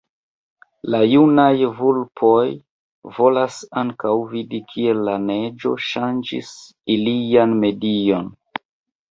La junaj vulpoj volas ankaŭ vidi kiel la neĝo ŝanĝis ilian medion.